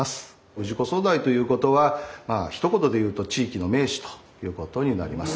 氏子総代ということはまあひと言で言うと地域の名士ということになります。